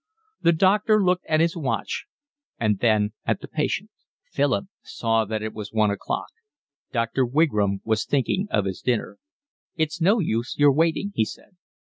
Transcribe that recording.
The doctor looked at his watch and then at the patient. Philip saw that it was one o'clock. Dr. Wigram was thinking of his dinner. "It's no use your waiting," he said.